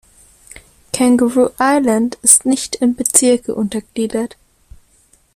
Kangaroo Island ist nicht in Bezirke untergliedert.